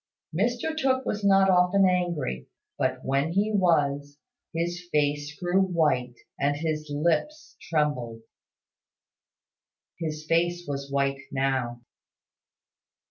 Mr Tooke was not often angry; but when he was, his face grew white, and his lips trembled. His face was white now.